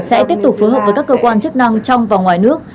sẽ tiếp tục phối hợp với các cơ quan chức năng trong và ngoài nước